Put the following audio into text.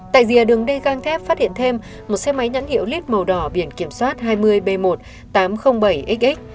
tại dìa đường đê cang thép phát hiện thêm một xe máy nhẫn hiệu lít màu đỏ biển kiểm soát hai mươi b một tám trăm linh bảy xx